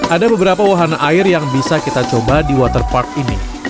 ada beberapa wahana air yang bisa kita coba di waterpark ini